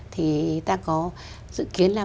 thì ta có dự kiến là ba mươi năm